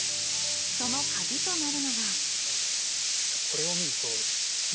そのカギとなるのが。